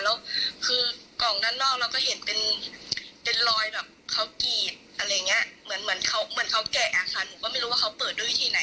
แล้วคือกล่องด้านนอกเราก็เห็นเป็นรอยแบบเขากีดอะไรอย่างนี้